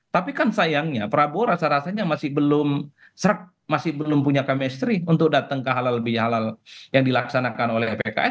tapi kan sayangnya prabowo rasa rasanya masih belum serek masih belum punya chemistry untuk datang ke halal bihalal yang dilaksanakan oleh pks